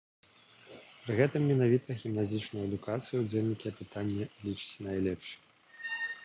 Пры гэтым менавіта гімназічную адукацыю ўдзельнікі апытання лічаць найлепшай.